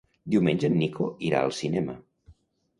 Diumenge en Nico irà al cinema.